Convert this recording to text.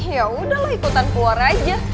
ya udah lah ikutan keluar aja